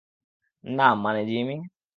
না মানে জিমি।